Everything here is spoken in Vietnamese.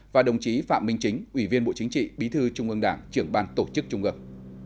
và đồng chí phạm minh chính ủy viên bộ chính trị bí thư trung ương đảng trưởng ban tổ chức trung ương